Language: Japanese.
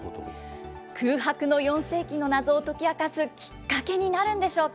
空白の４世紀の謎を解き明かすきっかけになるんでしょうか。